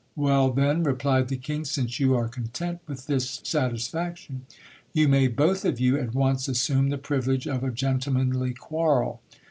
Well, then ! replied the King, since you are content with this satis faction, you may both of you at once assume the privilege of a gentlemanly quirrel.